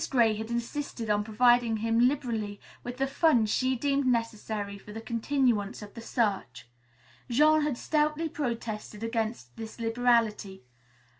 Gray had insisted on providing him liberally with the funds she deemed necessary for the continuance of the search. Jean had stoutly protested against this liberality.